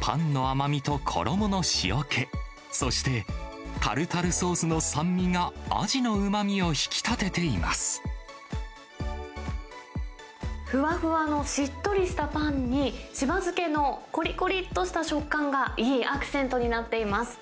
パンの甘みと衣の塩気、そして、タルタルソースの酸味が、アジのふわふわのしっとりしたパンに、柴漬けのこりこりっとした食感がいいアクセントになっています。